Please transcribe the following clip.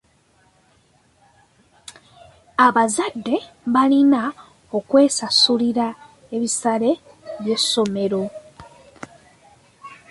Abazadde balina okwesasulira ebisale by'essomero.